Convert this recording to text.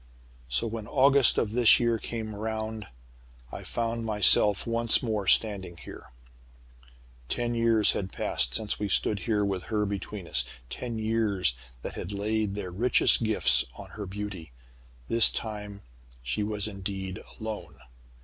"So, when August of this year came round, I found myself once more standing here. "Ten years had passed since we stood here with her between us ten years that had laid their richest gifts on her beauty. This time she was indeed alone.